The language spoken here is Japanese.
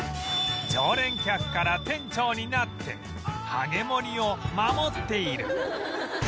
常連客から店長になってはげ盛を守っている